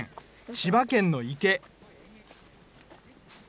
千葉県の池。